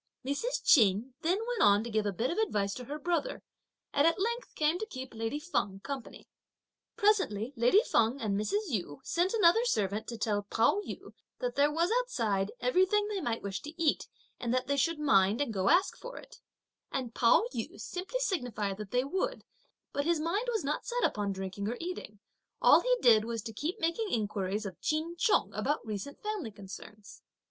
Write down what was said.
Mrs. Ch'in then went on to give a bit of advice to her brother, and at length came to keep lady Feng company. Presently lady Feng and Mrs. Yu sent another servant to tell Pao yü that there was outside of everything they might wish to eat and that they should mind and go and ask for it; and Pao yü simply signified that they would; but his mind was not set upon drinking or eating; all he did was to keep making inquiries of Ch'in Chung about recent family concerns.